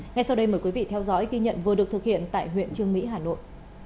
ngay sau đây mời quý vị theo dõi ghi nhận vừa được thực hiện tại huyện trương mỹ hà nội